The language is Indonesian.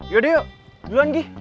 yaudah yuk duluan gi